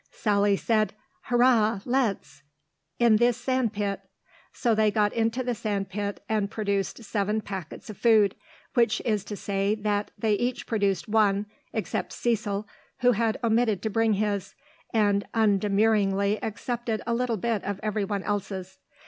Sally said, "Hurrah, let's. In this sand pit." So they got into the sand pit and produced seven packets of food, which is to say that they each produced one except Cecil, who had omitted to bring his, and undemurringly accepted a little bit of everyone else's.